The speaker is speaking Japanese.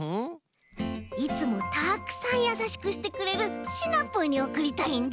いつもたくさんやさしくしてくれるシナプーにおくりたいんだ！